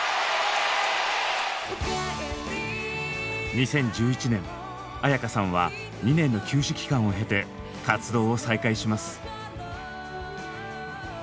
２０１１年絢香さんは２年の休止期間を経て活動を再開します。